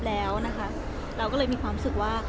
เราก็เลยมีความรู้สึกว่า